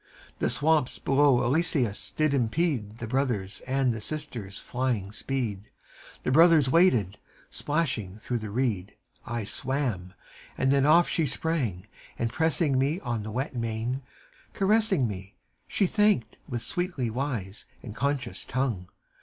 The swamps below Eleusis did impede The brothers' and the sister's flying speed: The brothers waded: splashing through the reed, I swam : then off she sprang, and pressing me On the wet mane, caressing me, She thanked with sweetly wise and conscious tongue.